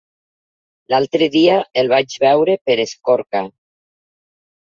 L'altre dia el vaig veure per Escorca.